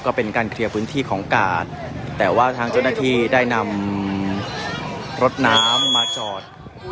ก็เป็นการเคลียร์พื้นที่ของกาดแต่ว่าทางเจ้าหน้าที่ได้นำรถน้ำมาจอด